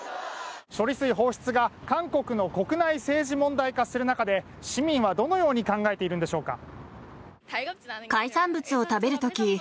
処理水放出が韓国の国内政治問題化する中で市民はどのように考えているのでしょうか。